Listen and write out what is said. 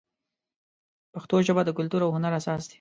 پښتو ژبه د کلتور او هنر اساس دی.